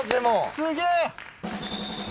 すげえ。